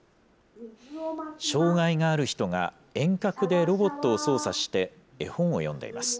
障害がある人が遠隔でロボットを操作して、絵本を読んでいます。